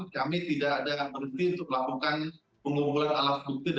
kami tidak ada yang berhenti untuk melakukan pengumpulan alat bukti dan barang di dikanan